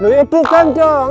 nih bukan dong